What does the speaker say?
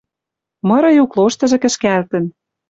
Мыры юк лоштыжы кӹшкӓлтӹн.